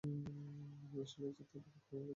আমরা আসলে এই জাতীয় রেকর্ড রাখি না।